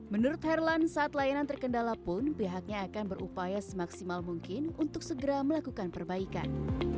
menurut herlan saat layanan terkendala pun pihaknya akan berupaya semaksimal mungkin untuk segera melakukan perbaikan